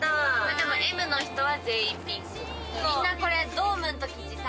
でも「Ｍ」の人は全員ピンク。